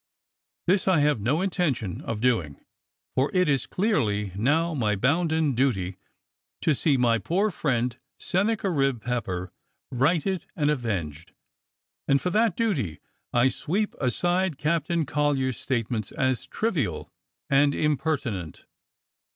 This I have no intention of doing, for it is clearly now my bounden duty to see my poor friend Sennacherib Pepper righted and avenged; and for that duty I sweep aside Captain Collyer's statements as trivial and impertinent.